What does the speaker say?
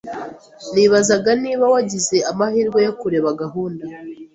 Nibazaga niba wagize amahirwe yo kureba gahunda.